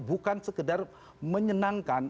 bukan sekedar menyenangkan